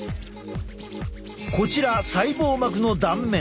こちら細胞膜の断面。